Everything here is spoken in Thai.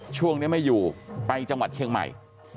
ช่วงนี้ไม่อยู่ไปจังหวัดเชียงใหม่